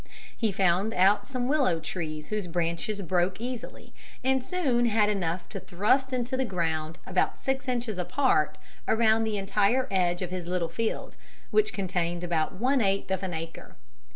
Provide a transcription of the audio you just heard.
He found out some willow trees whose branches broke easily, and soon had enough to thrust into the ground about six inches apart around the entire edge of his little field, which contained about one eighth of an acre.